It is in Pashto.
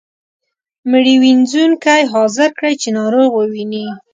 مړي وينځونکی حاضر کړئ چې ناروغ ووینځي.